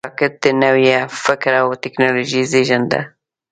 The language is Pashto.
راکټ د نوي فکر او ټېکنالوژۍ زیږنده ده